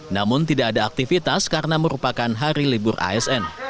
namun tidak ada aktivitas karena merupakan hari libur asn